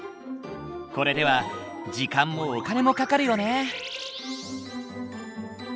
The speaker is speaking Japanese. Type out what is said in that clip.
これでは時間もお金もかかるよね。